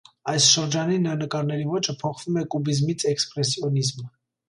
Այս շրջանի նրա նկարների ոճը փոխվում է կուբիզմից էքսպրեսիոնիզմ։